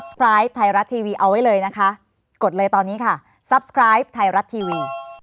โปรดติดตามตอนต่อไป